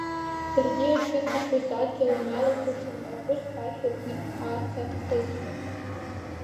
Даргьы ахьынкашәоз, адгьыл иналахәашон, агәы хьшәашәа ҭнарԥхаарц аҭахызшәа.